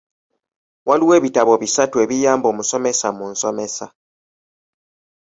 Waliwo ebitabo bisatu ebiyamba omusomesa mu nsomesa.